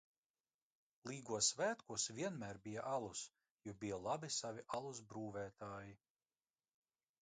Līgo svētkos vienmēr bija alus, jo bija labi savi alus brūvētāji.